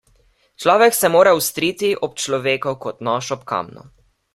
Človek se mora ostriti ob človeku kot nož ob kamnu.